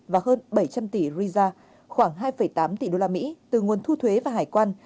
và hơn bảy trăm linh tỷ riza khoảng hai tám tỷ usd từ nguồn thu thuế và hải quan